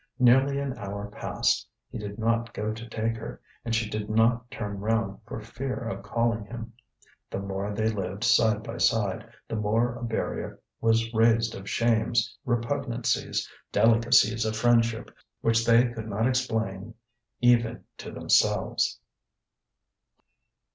Nearly an hour passed. He did not go to take her, and she did not turn round for fear of calling him. The more they lived side by side, the more a barrier was raised of shames, repugnancies, delicacies of friendship, which they could not explain even to themselves.